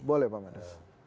boleh pak mada